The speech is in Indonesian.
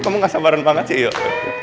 kamu gak sabaran banget sih yuk